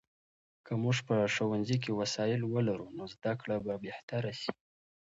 که موږ په ښوونځي کې وسایل ولرو، نو زده کړه به بهتره سي.